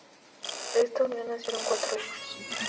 De esta unión nacieron cuatro hijos.